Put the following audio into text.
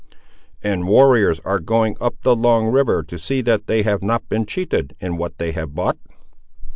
"And warriors are going up the Long river, to see that they have not been cheated, in what they have bought?"